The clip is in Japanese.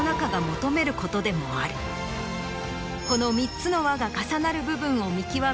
でもあるこの３つの輪が重なる部分を見極め